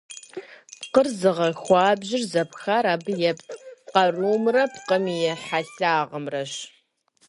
Пкъыр зыгъэхуабжьыр зэпхар абы епт къарумрэ пкъым и хьэлъагъымрэщ.